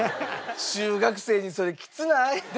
中学生にそれきつない？